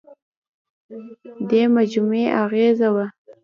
دې مجموعې اغېزه وه.